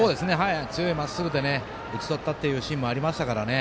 強いまっすぐで打ち取ったというシーンもありましたからね。